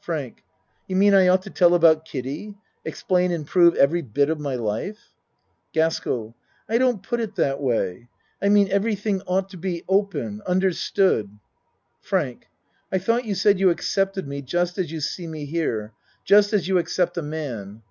FRANK You mean I ought to tell about Kiddie explain and prove every bit of my life? GASKELL I don't put it that way. I mean everything ought to be open understood. FRANK I tho't you said you accepted me just as you see me here just as you accept a man.